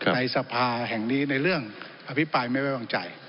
ในสภาแห่งนี้ในเรื่องอภิปรายไม่ไว้วางใจ